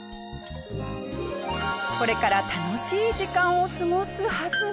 これから楽しい時間を過ごすはずが。